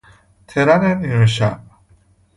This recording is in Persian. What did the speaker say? ترن نیمه شب